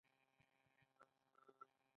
غرور کول ولې بد دي؟